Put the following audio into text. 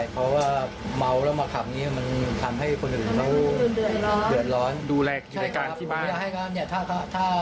เพราะว่า